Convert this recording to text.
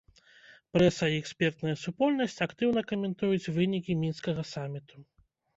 Прэса і экспертная супольнасць актыўна каментуюць вынікі мінскага саміту.